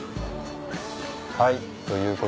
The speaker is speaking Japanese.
はい。